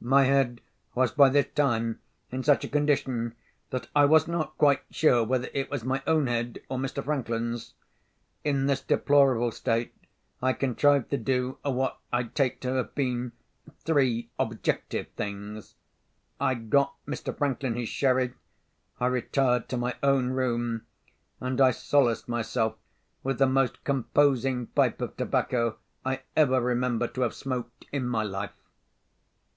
My head was by this time in such a condition, that I was not quite sure whether it was my own head, or Mr. Franklin's. In this deplorable state, I contrived to do, what I take to have been, three Objective things. I got Mr. Franklin his sherry; I retired to my own room; and I solaced myself with the most composing pipe of tobacco I ever remember to have smoked in my life.